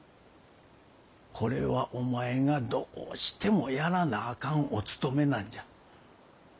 これはお前がどうしてもやらなあかんおつとめなんじゃ。